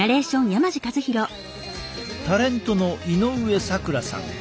タレントの井上咲楽さん。